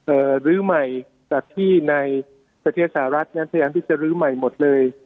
ลื้อใหม่จากที่ในประเทศสหรัฐนั้นพยายามที่จะลื้อใหม่หมดเลย